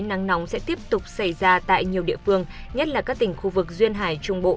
nắng nóng sẽ tiếp tục xảy ra tại nhiều địa phương nhất là các tỉnh khu vực duyên hải trung bộ